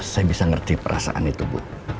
saya bisa ngerti perasaan itu bu